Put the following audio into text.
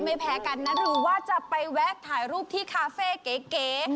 ไม่แพ้กันนะหรือว่าจะไปแวะถ่ายรูปที่คาเฟ่เก๋